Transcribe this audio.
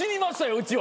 うちは。